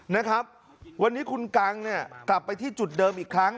นะครับวันนี้คุณกังเนี่ยกลับไปที่จุดเดิมอีกครั้ง